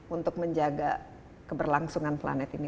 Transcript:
untuk menjaga keberlangsungan planet ini